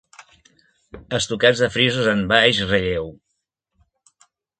Estucats de frisos en baix relleu.